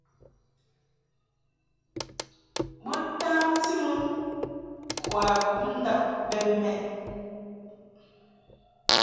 Bo tamti mɨ kwakum ndab bɛ mɛʼ.